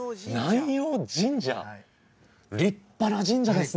はい立派な神社ですね